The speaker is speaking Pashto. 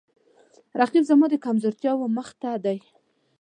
رقیب زما د کمزورتیاو مخ ته دی